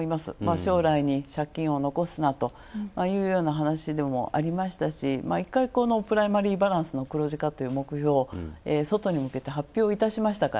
将来に借金を残すなというような話でもありましたし、毎回このプライマリーバランスを黒字化という目標外に向けて発表いたしました